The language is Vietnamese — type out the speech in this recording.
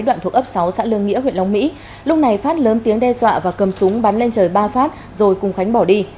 đoạn thuộc ấp sáu xã lương nghĩa huyện long mỹ lúc này phát lớn tiếng đe dọa và cầm súng bắn lên trời ba phát rồi cùng khánh bỏ đi